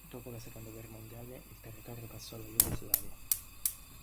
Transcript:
Dopo la seconda guerra mondiale il territorio passò alla Jugoslavia.